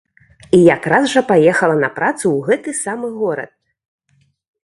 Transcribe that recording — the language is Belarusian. І якраз жа паехала на працу ў гэты самы горад.